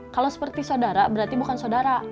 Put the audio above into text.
kalau seperti saudara berarti bukan saudara